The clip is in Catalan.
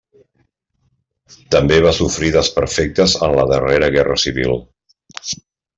També va sofrir desperfectes en la darrera guerra civil.